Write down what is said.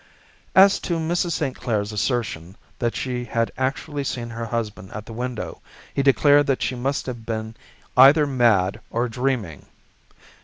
As to Mrs. St. Clair's assertion that she had actually seen her husband at the window, he declared that she must have been either mad or dreaming.